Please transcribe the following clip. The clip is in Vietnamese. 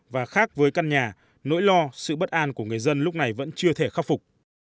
và khác với căn nhà nỗi lo sự bất an của người dân lúc này vẫn chưa thể khắc phục